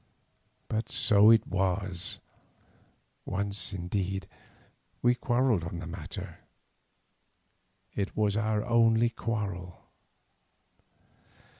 But so it was. Once, indeed, we quarrelled on the matter; it was our only quarrel.